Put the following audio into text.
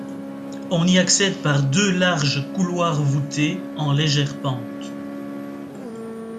On y accède par deux larges couloirs voûtés, en légère pente.